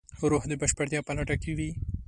روح د بشپړتیا په لټه کې وي.